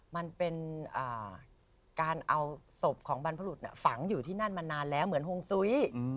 มันเป็นการเอาศพของบรรพรุษฝังอยู่ที่นั่นมานานแล้วเหมือนฮงซุ้ย